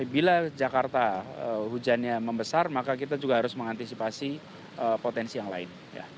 bila jakarta hujannya membesar maka kita juga harus mengantisipasi potensi yang lain